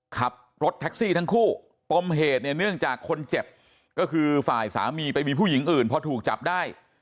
ขับรถแท็กซี่ทั้งคู่ปมเหตุเนี่ยเนื่องจากคนเจ็บก็คือฝ่ายสามีไปมีผู้หญิงอื่นพอถูกจับได้